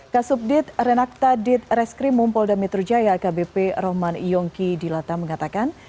kasubdit renakta dit reskrim polda metro jaya kbp rahman iyongki di lata mengatakan